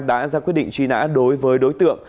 đã ra quyết định truy nã đối với đối tượng